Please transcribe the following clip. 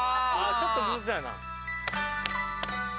ちょっとむずそうやな・